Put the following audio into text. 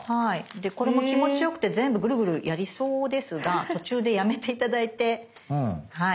でこれも気持ち良くて全部ぐるぐるやりそうですが途中でやめて頂いてはい